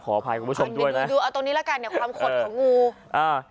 อภัยคุณผู้ชมดูเอาตรงนี้ละกันเนี่ยความขดของงูอ่า